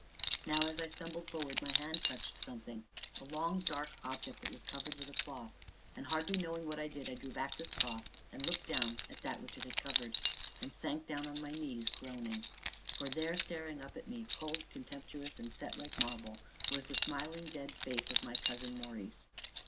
Now as I stumbled forward my hand touched something, a long, dark object that was covered with a cloth, and, hardly knowing what I did, I drew back this cloth and looked down at that which it had covered, and sank down upon my knees, groaning. For there, staring up at me, cold, contemptuous, and set like marble, was the smiling, dead face of my cousin Maurice.